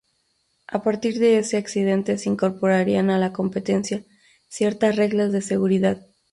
A partir de ese accidente se incorporarían a la competencia ciertas reglas de seguridad.